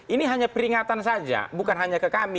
ini hanya peringatan saja bukan hanya ke kami